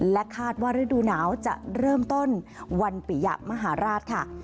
และคาดว่าฤดูหนาวจะเริ่มต้นวันปิยะมหาราชค่ะ